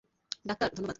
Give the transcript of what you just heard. Doctor, ধন্যবাদ।